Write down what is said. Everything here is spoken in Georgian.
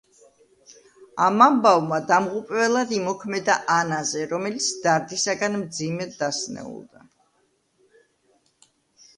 ამ ამბავმა დამღუპველად იმოქმედა ანაზე, რომელიც დარდისაგან მძიმედ დასნეულდა.